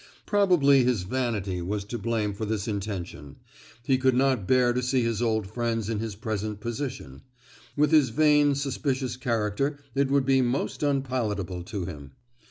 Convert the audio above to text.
Probably his vanity was to blame for this intention: he could not bear to see his old friends in his present position; with his vain suspicious character it would be most unpalatable to him.